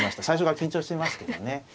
最初から緊張してますけどね。